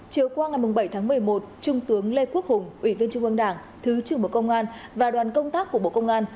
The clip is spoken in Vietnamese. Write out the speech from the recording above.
chiều qua ngày bảy tháng một mươi một trung tướng lê quốc hùng ủy viên trung ương đảng thứ trưởng bộ công an và đoàn công tác của bộ công an